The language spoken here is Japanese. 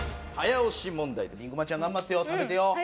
りんくまちゃん頑張ってよ食べてよ！